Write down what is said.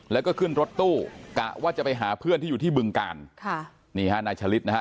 แล้วก็ขึ้นรถตู้กะว่าจะไปหาเพื่อนที่อยู่ที่บึงกาลค่ะนี่ฮะนายชะลิดนะฮะ